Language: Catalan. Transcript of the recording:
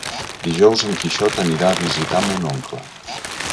Dijous en Quixot anirà a visitar mon oncle.